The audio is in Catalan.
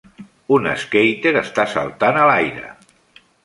Un skater està saltant a l'aire.